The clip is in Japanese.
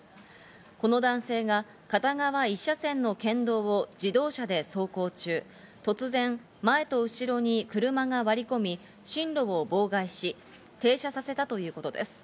この男性が片側１車線の県道を自動車で走行中、突然前と後ろに車が割り込み、進路を妨害し、停車させたということです。